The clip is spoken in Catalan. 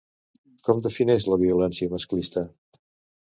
Com defineixen la violència masclista?